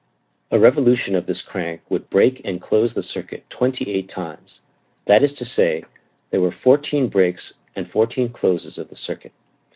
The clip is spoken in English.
A revolution of this crank would break and close the circuit twenty eight times; that is to say, there were fourteen breaks and fourteen closes of the circuit.